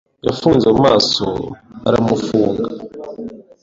Yafunze mu maso aramufunga